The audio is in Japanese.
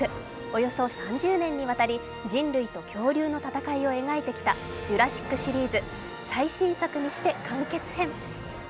およそ３０年にわたり人類と恐竜の戦いを描いてきた「ジュラシック」シリーズ最新作にして完結編。